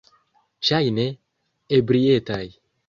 Ŝajne, ebrietaj.